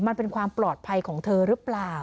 มันเป็นความปลอดภัยของเธอหรือเปล่า